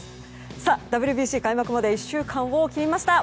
さあ、ＷＢＣ開幕まで１週間を切りました。